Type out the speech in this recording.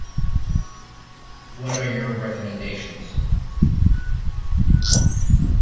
What are your recommendations?